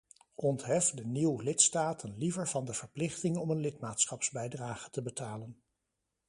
Onthef de nieuw lidstaten liever van de verplichting om een lidmaatschapsbijdrage te betalen.